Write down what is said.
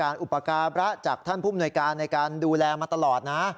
รับรักจากท่านภูมิหน่วยการในการดูแลมาตลอดนะ